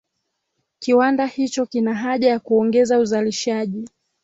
Kiwanda hicho kina haja ya kuongeza uzalishaji